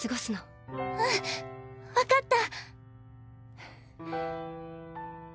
うんわかった。